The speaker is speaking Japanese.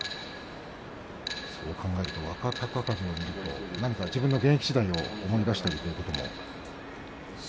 そう考えると若隆景を見ると自分の現役時代を思い出したりとか。